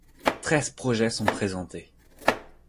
Treize projets sont présentés.